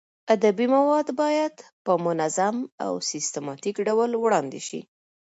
ادبي مواد باید په منظم او سیستماتیک ډول وړاندې شي.